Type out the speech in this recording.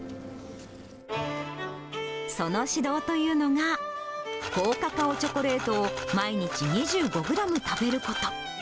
その指導というのが、高カカオチョコレートを毎日２５グラム食べること。